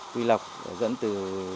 huy lọc dẫn từ